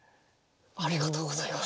ありがとうございます。